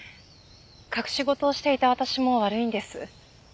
隠し事をしていた私も悪いんです。